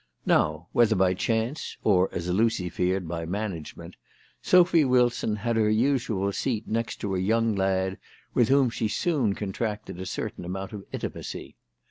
Now, whether by chance, or as Lucy feared by management, Sophy Wilson had her usual seat next to a young lad with whom she soon contracted a certain amount of intimacy.